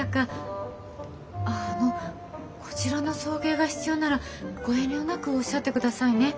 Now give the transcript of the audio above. あのこちらの送迎が必要ならご遠慮なくおっしゃってくださいね。